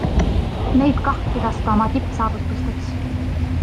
Neid kaht pidas ta oma tippsaavutusteks.